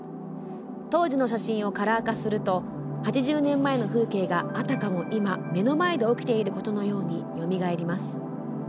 当時の写真をカラー化すると８０年前の風景が、あたかも、今目の前で起きていることのようによみがえります。